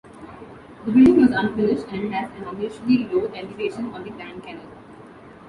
The building was unfinished, and has an unusually low elevation on the Grand Canal.